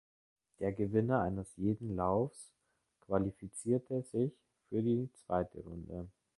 Der Gewinner eines jeden Laufs qualifizierte sich für die zweite Runde.